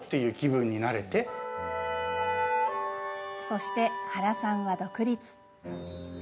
そして、原さんは独立。